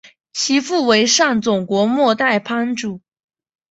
其父为上总国末代藩主。